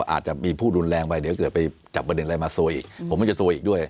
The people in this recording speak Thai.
อาจจะมีผู้รุนแรงไปเดี๋ยวเกิดไปจับประเด็นอะไรมาซวยอีกผมก็จะซวยอีกด้วย